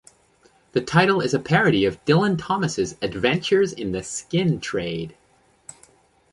The title is a parody of Dylan Thomas's "Adventures in the Skin Trade".